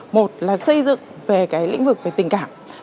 một là xây dựng về lĩnh vực tình cảm